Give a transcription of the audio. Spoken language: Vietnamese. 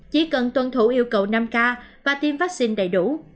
chỉ cần tuân thủ yêu cầu năm k và tiêm vaccine đầy đủ